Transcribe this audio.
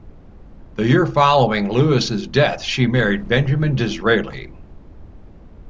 The year following Lewis's death she married Benjamin Disraeli.